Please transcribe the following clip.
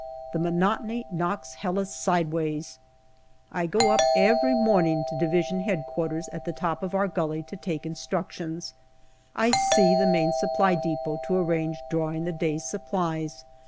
The monotony knocks Helles side ways. I go up every morning to D.H.Q. at the top of our gully to take instructions. I see the Main Supply depot to arrange drawing the day's supplies.